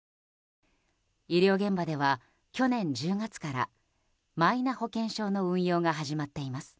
医療現場では去年１０月からマイナ保険証の運用が始まっています。